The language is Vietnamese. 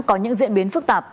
có những diễn biến phức tạp